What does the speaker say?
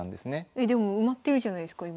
えでも埋まってるじゃないですか今。